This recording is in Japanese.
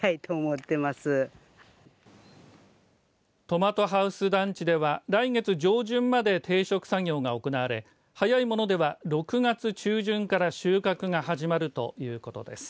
トマトハウス団地では来月上旬まで定植作業が行われ早いものでは６月中旬から収穫が始まるということです。